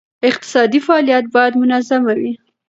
اقتصادي فعالیت باید منظمه وي.